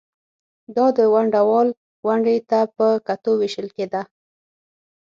دا د ونډه وال ونډې ته په کتو وېشل کېده